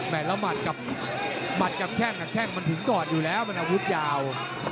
แหมดแล้วมัดกับแก้งมันถึงก่อนอยู่แล้วมันอาวุธยาว